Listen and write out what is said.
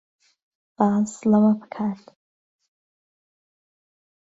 باس لەوە بکات